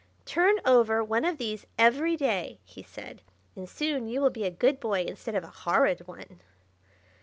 "Turn over one of these every day," he said, "and soon you will be a good boy instead of a horrid one."